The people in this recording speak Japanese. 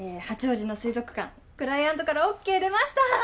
八王子の水族館クライアントからＯＫ出ました。